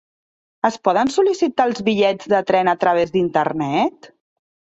Es poden sol·licitar els bitllets de tren a través d'internet?